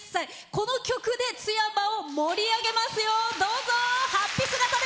この曲で津山を盛り上げますよ！